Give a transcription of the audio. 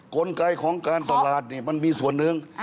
กลไกของการตลาดมันมีส่วนหนึ่ง